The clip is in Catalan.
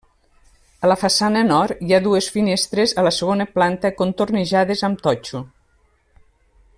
A la façana nord, hi ha dues finestres a la segona planta contornejades amb totxo.